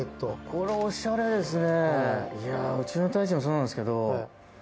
これ、おしゃれですね。